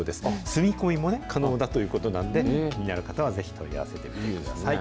住み込みもね、可能だということなんで、気になる方は、ぜひ問い合わせてみてください。